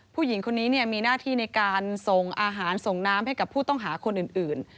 ผู้หญิงคนนี้มีหน้าที่ในการส่งอาหารส่งน้ำให้กับผู้ต้องหาคนอื่น